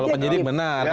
kalau penyidik benar